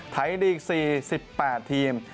ไทยลีก๔๘ทีม